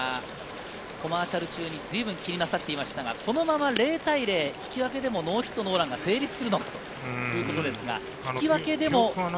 先ほど江川さんが、コマーシャル中にずいぶん気にしていましたが、このまま０対０、引き分けでもノーヒットノーランが成立するということですね。